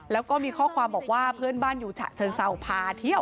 และหรือถือข่าวบอกว่าเพื่อนบ้านอยู่ชะเชิงเซาพาเที่ยว